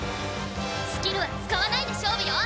スキルは使わないで勝負よ！